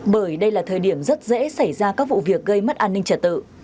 bởi đây là thời điểm rất dễ xảy ra các vụ việc gây mất an ninh trật tự